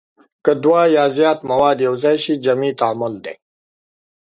که دوه یا زیات مواد یو ځای شي جمعي تعامل دی.